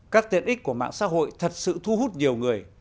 các tiện ích của mạng xã hội thật sự thu hút nhiều người